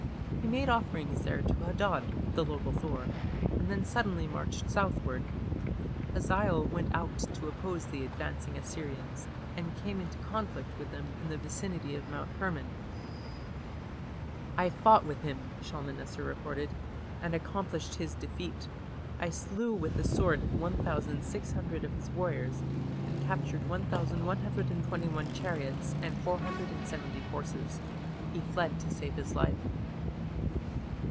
He made offerings there to Hadad, the local Thor, and then suddenly marched southward. Hazael went out to oppose the advancing Assyrians, and came into conflict with them in the vicinity of Mount Hermon. "I fought with him", Shalmaneser recorded, "and accomplished his defeat; I slew with the sword 1600 of his warriors and captured 1121 chariots and 470 horses. He fled to save his life."